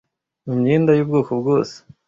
mu myenda y'ubwoko bwose